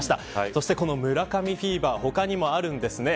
そしてこの村上フィーバー他にもあるんですね。